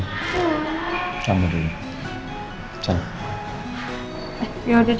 eh yaudah deh